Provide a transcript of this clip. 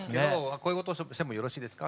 「こういうことしてもよろしいですか？」